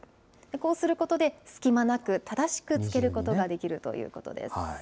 こうすることで、隙間なく正しく着けることができるということです。